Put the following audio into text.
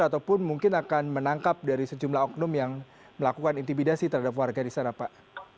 ataupun mungkin akan menangkap dari sejumlah oknum yang melakukan intimidasi terhadap warga di sana pak